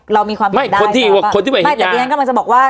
เรามีความผิดได้ไม่คนที่คนที่ไปเห็นยาไม่แต่เรียนกำลังจะบอกว่า